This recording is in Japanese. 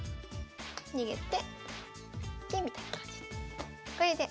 逃げて金みたいな感じで。